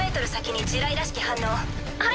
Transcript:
はい。